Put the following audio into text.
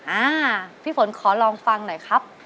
อ่าพี่ฝนขอลองฟังหน่อยครับ